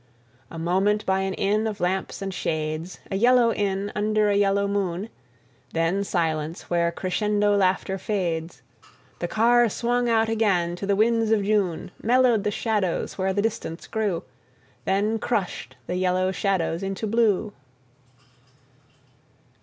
A moment by an inn of lamps and shades, a yellow inn under a yellow moon—then silence, where crescendo laughter fades... the car swung out again to the winds of June, mellowed the shadows where the distance grew, then crushed the yellow shadows into blue....